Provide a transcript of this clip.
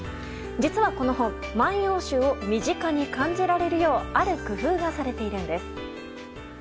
実はこの本、「万葉集」を身近に感じられるようある工夫がされているんです。